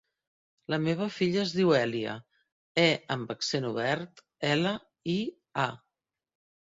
La meva filla es diu Èlia: e amb accent obert, ela, i, a.